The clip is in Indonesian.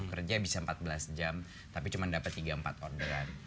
kerja bisa empat belas jam tapi cuma dapat tiga empat orderan